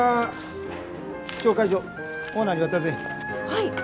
はい！